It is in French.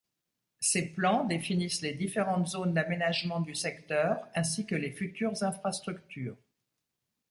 Ces plans, définissent les différentes zones d'aménagement du secteur ainsi que les futures infrastructures.